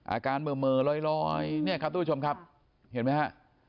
อาการเมลอเลยนี่ครับตู้ชมครับเห็นมั้ยฮะ